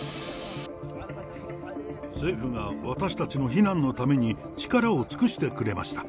政府が私たちの避難のために力を尽くしてくれました。